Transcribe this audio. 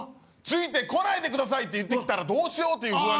ついてこないでください！って言ってきたらどうしようっていう